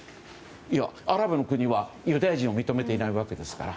アラブの国はユダヤ人を認めていないわけですから。